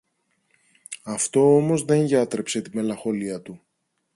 Αυτό όμως δε γιάτρεψε τη μελαγχολία του.